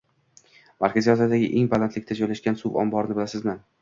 Markaziy Osiyodagi eng balandlikda joylashgan suv omborini bilasizmi?